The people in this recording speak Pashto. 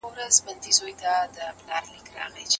کارپوهان به انفرادي حقونه خوندي کړي.